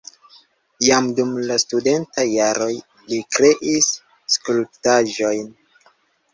Jam dum la studentaj jaroj li kreis skulptaĵojn.